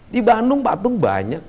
di bandung patung banyak